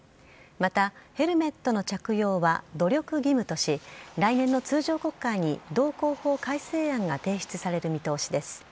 また、ヘルメットの着用は努力義務とし来年の通常国会に道交法改正案が提出される見通しです。